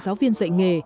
giáo viên dạy nghề